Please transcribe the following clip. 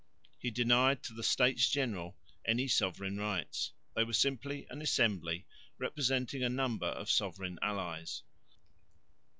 He denied to the States General any sovereign rights; they were simply an assembly representing a number of sovereign allies.